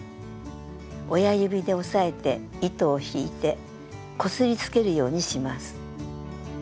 親指で押さえて糸を引いてこすりつけるようにします。